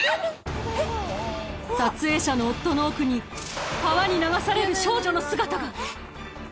・撮影者の夫の奥に川に流される少女の姿が！